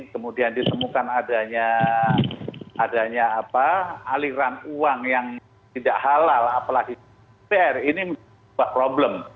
kemudian ditemukan adanya aliran uang yang tidak halal apalagi pr ini menjadi sebuah problem